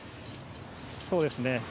そうですね。